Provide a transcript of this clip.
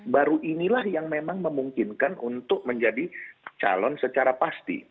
baru inilah yang memang memungkinkan untuk menjadi calon secara pasti